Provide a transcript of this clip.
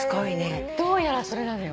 どうやらそれなのよ。